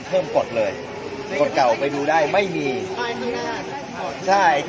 สวัสดีครับพี่เบนสวัสดีครับ